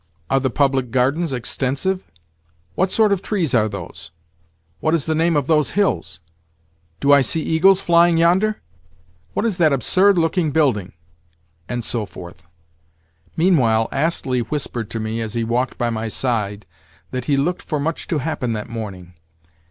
"Are the public gardens extensive?" "What sort of trees are those?" "What is the name of those hills?" "Do I see eagles flying yonder?" "What is that absurd looking building?" and so forth. Meanwhile Astley whispered to me, as he walked by my side, that he looked for much to happen that morning.